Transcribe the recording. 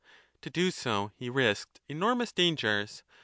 To do so, he risked enormous dangers.